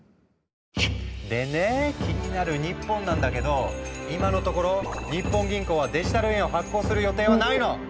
でね気になる日本なんだけど今のところ日本銀行はデジタル円を発行する予定はないの。